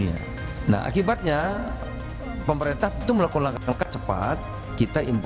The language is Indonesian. sangat merah melhor auntie vomiting